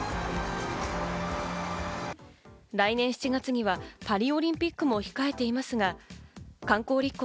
来年７月にはパリオリンピックも控えていますが、観光立国